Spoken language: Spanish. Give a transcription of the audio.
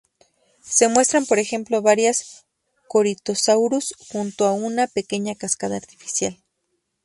Se muestran por ejemplo varios "Corythosaurus" junto a una pequeña cascada artificial.